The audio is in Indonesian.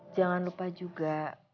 jangan lupa juga